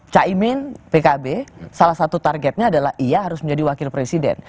caimin pkb salah satu targetnya adalah ia harus menjadi wakil presiden